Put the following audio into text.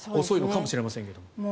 遅いのかもしれませんが。